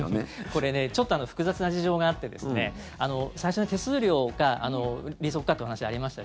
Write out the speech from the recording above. これちょっと複雑な事情があって最初、手数料か利息かというお話ありました。